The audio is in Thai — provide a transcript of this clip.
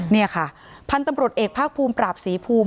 นี่ค่ะพันธุ์ตำรวจเอกภาคภูมิปราบศรีภูมิ